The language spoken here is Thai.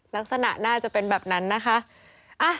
ลักษณะน่าจะเป็นแบบนั้นนะคะ